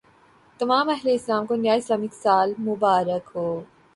تمام اہل اسلام کو نیا اسلامی سال مبارک ہو